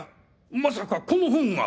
まさかこの本が。